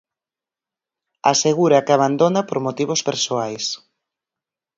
Asegura que abandona por motivos persoais.